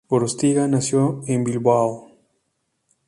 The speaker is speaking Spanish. Gorostiaga nació en Bilbao.